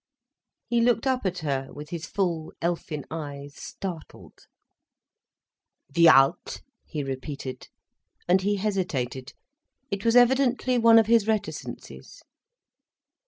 He looked up at her with his full, elfin eyes startled. "Wie alt?" he repeated. And he hesitated. It was evidently one of his reticencies.